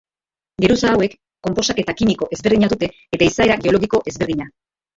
Geruza hauek konposaketa kimiko ezberdina dute eta izaera geologiko ezberdina.